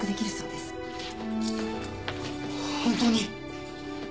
本当に？